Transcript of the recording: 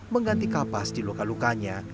mengganti kapas di lokal lokanya